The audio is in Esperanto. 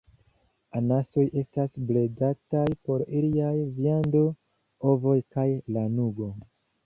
Anasoj estas bredataj por iliaj viando, ovoj, kaj lanugo.